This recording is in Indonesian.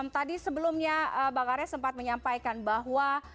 tadi sebelumnya mbak karya sempat menyampaikan bahwa